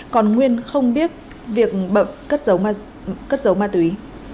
còn nguyên không biết việc bậm cất giấu ma túy